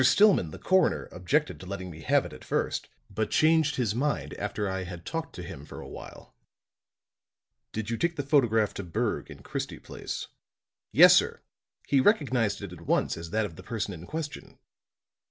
Stillman, the coroner, objected to letting me have it at first, but changed his mind after I had talked to him for a while." "Did you take the photograph to Berg in Christie Place?" "Yes, sir. He recognized it at once as that of the person in question."